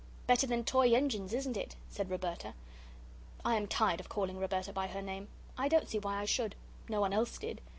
"Better than toy engines, isn't it?" said Roberta. (I am tired of calling Roberta by her name. I don't see why I should. No one else did.